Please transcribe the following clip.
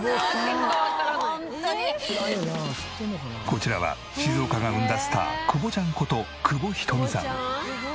こちらは静岡が生んだスター久保ちゃんこと久保ひとみさん。